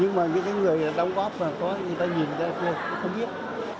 nhưng mà những người đóng góp và có người ta nhìn người ta cũng không biết